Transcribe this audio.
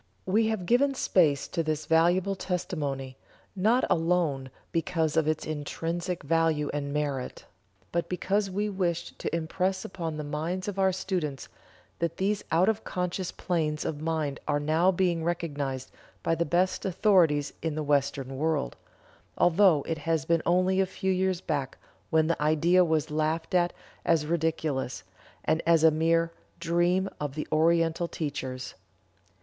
We have given space to this valuable testimony, not alone because of its intrinsic value and merit, but because we wished to impress upon the minds of our students that these out of conscious planes of mind are now being recognized by the best authorities in the Western world, although it has been only a few years back when the idea was laughed at as ridiculous, and as a mere "dream of the Oriental teachers."